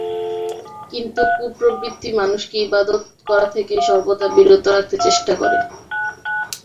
কিন্তু কুপ্রবৃত্তি মানুষকে ইবাদত করা থেকে সর্বদা বিরত রাখতে চেষ্টা করে।